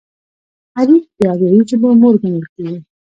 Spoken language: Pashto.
اريک د اريايي ژبو مور ګڼل کېږي.